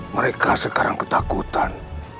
mereka sekarang ketakutan